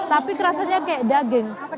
tapi rasanya kayak daging